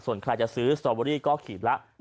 ส่วนใครจะซื้อสตอเบอรี่ก็ขีดละ